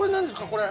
これ。